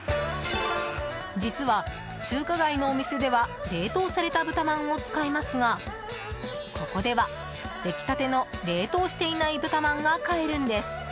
実は中華街のお店では冷凍されたブタまんを使いますがここでは、出来たての冷凍していないブタまんが買えるんです。